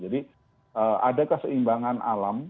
jadi ada keseimbangan alam